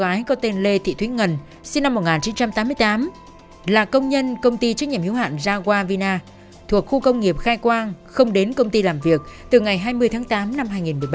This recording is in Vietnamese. lái có tên lê thị thúy ngân sinh năm một nghìn chín trăm tám mươi tám là công nhân công ty trách nhiệm hiếu hạn jawavina thuộc khu công nghiệp khai quang không đến công ty làm việc từ ngày hai mươi tháng tám năm hai nghìn một mươi ba